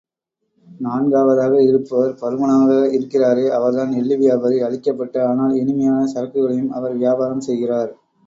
நான்காவதாக இருப்பவர் பருமனாக இருக்கிறாரே அவர்தான் எள்ளு வியாபாரி அழிக்கப்பட்ட ஆனால் இனிமையான சரக்குகளையும் அவர் வியாபாரம் செய்கிறார்.